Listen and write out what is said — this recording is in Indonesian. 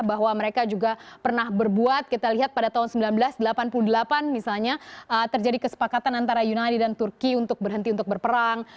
bahwa mereka juga pernah berbuat kita lihat pada tahun seribu sembilan ratus delapan puluh delapan misalnya terjadi kesepakatan antara yunadi dan turki untuk berhenti untuk berperang